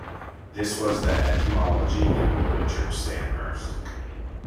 This was the etymology given by Richard Stanyhurst.